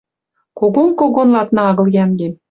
Когон, когон ладна агыл йӓнгем